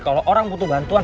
kalau orang butuh bantuan